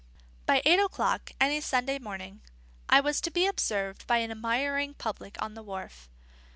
By eight o'clock, any Sunday morning, I was to be observed by an admiring public on the wharf.